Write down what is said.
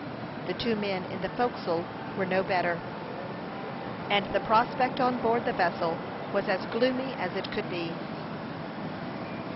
The two men in the forecastle were no better, and the prospect on board the vessel was as gloomy as it could be.